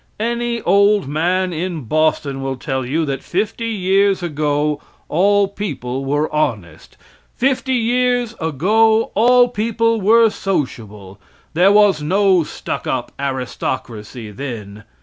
Any old man in Boston will tell you that fifty years ago all people were honest. Fifty years ago all people were sociable there was no stuck up aristocracy then.